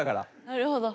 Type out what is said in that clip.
なるほど。